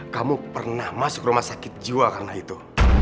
kamu pernah masuk rumah sakit jiwa karena itu